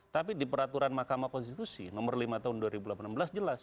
tapi di peraturan mahkamah konstitusi nomor lima tahun dua ribu delapan belas jelas